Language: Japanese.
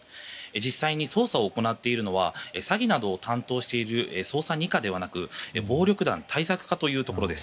実際に捜査を行っているのは詐欺などを担当している捜査２課ではなく暴力団対策課です。